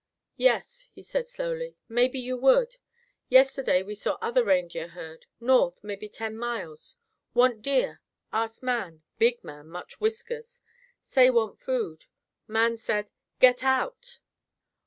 "Yes," he said slowly, "maybe you would. Yesterday we saw other reindeer herd, north mebby ten miles. Want deer; ask man, big man, much whiskers; say want food. Man said: 'Get out!